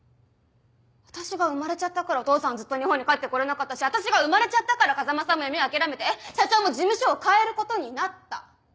私が生まれちゃったからお父さんはずっと日本に帰って来れなかったし私が生まれちゃったから風真さんも夢を諦めて社長も事務所を変えることになった。